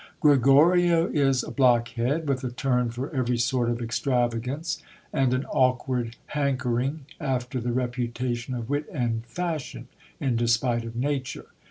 Gregorio is a blockhead, with a turn for every sort of extravagance, and an awkward hank ering after the reputation of wit and fashion, in despite of nature.